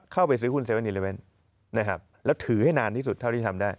เข้าไปซื้อหุ้น๗๑๑นะครับแล้วถือให้นานที่สุดเท่าที่ทำได้